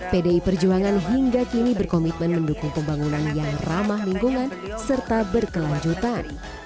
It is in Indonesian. pdi perjuangan hingga kini berkomitmen mendukung pembangunan yang ramah lingkungan serta berkelanjutan